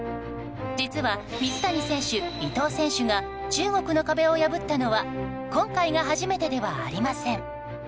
実は水谷選手、伊藤選手が中国の壁を破ったのは今回が初めてではありません。